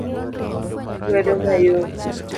lwedo mayom